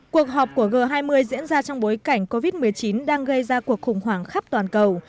cuộc họp của g hai mươi diễn ra trong bối cảnh covid một mươi chín đang gây ra cuộc khủng hoảng khắp toàn cầu